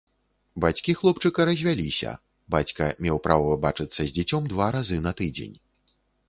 Бацькі хлопчыка развяліся, бацька меў права бачыцца з дзіцем два разы на тыдзень.